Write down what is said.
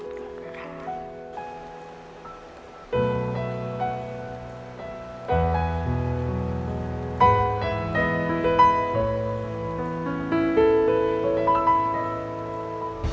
ขอบคุณค่ะ